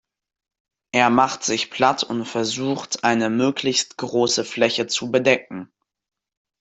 Er macht sich platt und versucht, eine möglichst große Fläche zu bedecken.